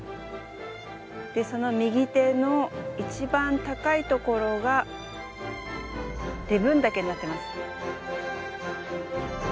でその右手の一番高いところが礼文岳になってます。